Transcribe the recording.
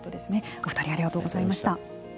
お二人、ありがとうございました。